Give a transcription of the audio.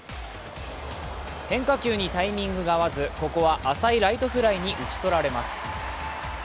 変化球にタイミングが合わずここは浅いライトフライに打ち取られます。